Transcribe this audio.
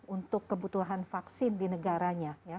untuk kebutuhan vaksin di negaranya